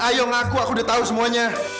ayo ngaku aku udah tahu semuanya